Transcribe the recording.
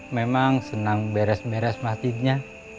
memang senang beres meres masjidnya